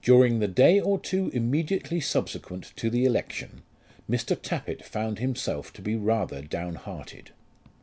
During the day or two immediately subsequent to the election, Mr. Tappitt found himself to be rather downhearted.